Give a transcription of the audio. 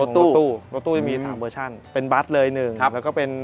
ตู้รถตู้ยังมีสามเวอร์ชั่นเป็นบัตรเลยหนึ่งครับแล้วก็เป็น